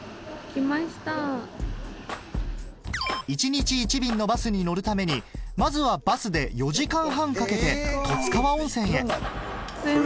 １００⁉１日１便のバスに乗るためにまずはバスで４時間半かけて十津川温泉へ１６８も⁉はい。